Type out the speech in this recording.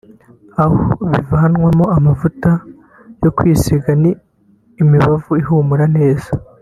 aho bivanwamo amavuta yo kwisiga n’imibavu ihumura neza